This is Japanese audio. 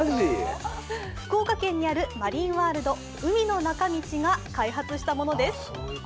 福岡県にあるマリンワールド、海の中道が開発したものです。